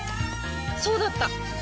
そうだった！